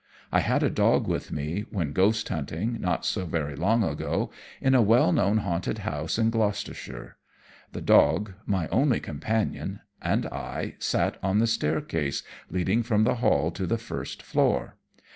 I had a dog with me, when ghost hunting, not so very long ago, in a well known haunted house in Gloucestershire. The dog my only companion and I sat on the staircase leading from the hall to the first floor.